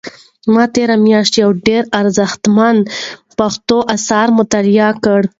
ما تېره میاشت یو ډېر ارزښتمن پښتو اثر مطالعه کړ.